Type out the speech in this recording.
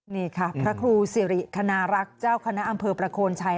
นี่ค่ะพระครูสิริคณรักษ์เจ้าคณะอำเภอประโคนชัย